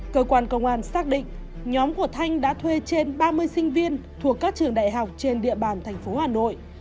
cơ quan công an xác định nhóm của thanh đã thuê trên ba mươi sinh viên thuộc các trường đại học trên địa bàn thành phố hà nội